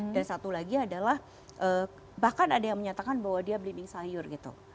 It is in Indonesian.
dan satu lagi adalah bahkan ada yang menyatakan bahwa dia belimbing sayur gitu